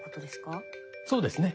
そうですね。